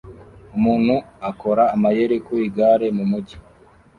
Umuntu akora amayeri ku igare mumujyi